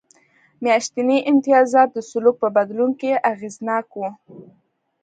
میاشتني امتیازات د سلوک په بدلون کې اغېزناک و